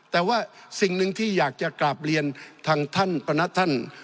แต่ว่าสิ่งหนึ่งที่อยากจะกราบเรียนทางท่านประนัดท่าน